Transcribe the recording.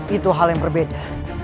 itu hal yang berbeda